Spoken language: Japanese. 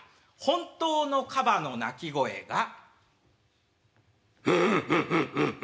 本当のカバの鳴き声が。